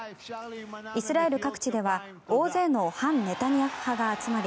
イスラエル各地では大勢の反ネタニヤフ派が集まり